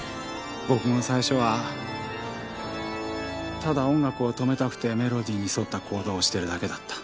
僕も最初はただ音楽を止めたくてメロディーに沿った行動をしてるだけだった。